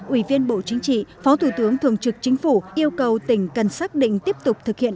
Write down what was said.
ủy viên bộ chính trị phó thủ tướng thường trực chính phủ yêu cầu tỉnh cần xác định tiếp tục thực hiện